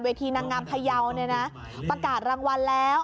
ทีนางงามพยาวเนี่ยนะประกาศรางวัลแล้ว